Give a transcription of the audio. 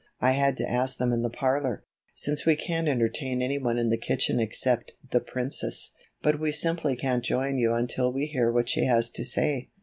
I had to ask them in the parlor, since we can't entertain any one in the kitchen except 'The Princess,' but we simply can't join you until we hear what she has to say."